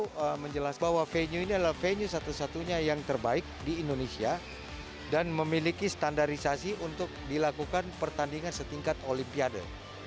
itu menjelaskan bahwa venue ini adalah venue satu satunya yang terbaik di indonesia dan memiliki standarisasi untuk dilakukan pertandingan setingkat olimpiade